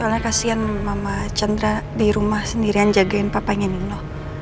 soalnya kasian mama candra dirumah sendirian jagain papanya nino